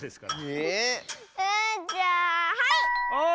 えじゃあはい！